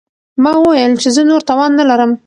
ما وویل چې زه نور توان نه لرم.